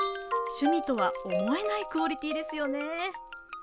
趣味とは思えないクオリティーですよね。